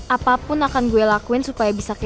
apapun akan gue lakuin supaya bisa